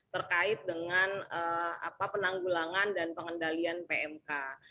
terkait dengan penanggulangan dan pengendalian pmk